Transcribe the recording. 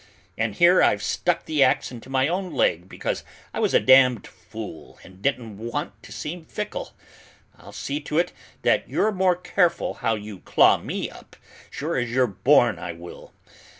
And here I've stuck the ax into my own leg because I was a damned fool and didn't want to seem fickle. I'll see to it that you're more careful how you claw me up, sure as you're born, I will!